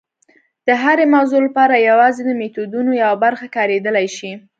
د هرې موضوع لپاره یوازې د میتودونو یوه برخه کارېدلی شي.